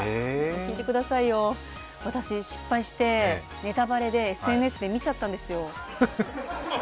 聞いてくださいよ、私、失敗してネタバレでその配役をＳＮＳで見ちゃったんですよ。